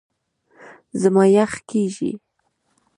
زما یخ کېږي .